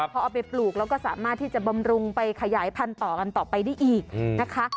พอเอาไปปลูกแล้วก็สามารถที่จะบำรุงไปขยายพันธุ์ต่อกันต่อไปได้อีกนะคะ